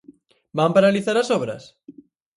Van paralizar as obras?